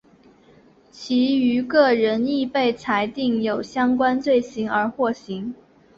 其余各人亦被裁定有相关罪行而获刑。